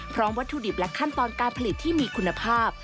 วัตถุดิบและขั้นตอนการผลิตที่มีคุณภาพ